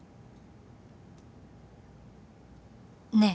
ねえ